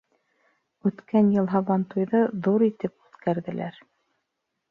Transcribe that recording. Үткән йыл һабантуйҙы ҙур итеп үткәрҙеләр.